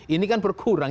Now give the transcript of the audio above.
ini kan berkurang